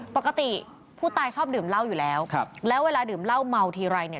ปกติผู้ตายชอบดื่มเหล้าอยู่แล้วแล้วเวลาดื่มเหล้าเมาทีไรเนี่ย